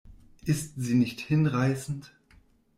Ist sie nicht hinreißend?